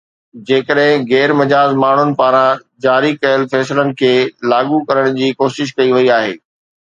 جيڪڏهن غير مجاز ماڻهن پاران جاري ڪيل فيصلن کي لاڳو ڪرڻ جي ڪوشش ڪئي وئي آهي